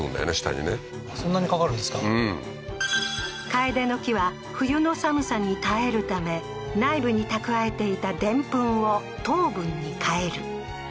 カエデの木は、冬の寒さに耐えるため、内部に蓄えていたデンプンを糖分に変える。